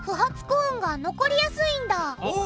コーンが残りやすいんだお。